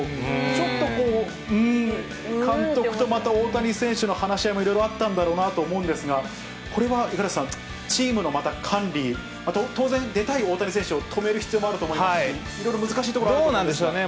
ちょっとこう、うーん、監督と、また大谷選手の話し合いもいろいろあったんだろうなと思うんですが、これは五十嵐さん、チームのまた管理、あと当然、出たい大谷選手を止める必要もあると思いますし、いろいろ難しいところもあると思うんですが。